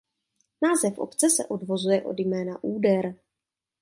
Název obce se odvozuje od jména "Úder".